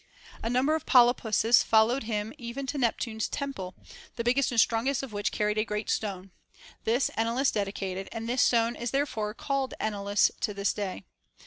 A number of polypuses followed him even to Neptune's temple, the biggest and strongest of which carried a great stone. This Enalus dedicated, and this stone is therefore called Enalus to this day.